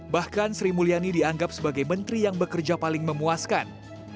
bahkan sri mulyani dianggap sebagai menteri yang bekerja paling memuaskan